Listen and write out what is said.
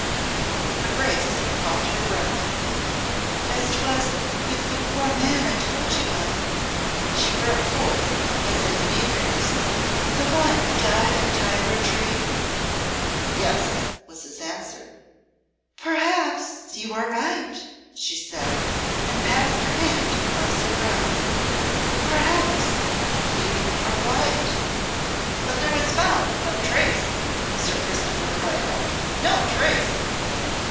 Her Grace caught her breath. "As 'twas with the poor man I told you of," she broke forth as if in eagerness, "the one who died on Tyburn Tree?" "Yes," was his answer. "Perhaps you are right," she said, and passed her hand across her brow; "perhaps you are right." "But there was found no trace," Sir Christopher cried out; "no trace."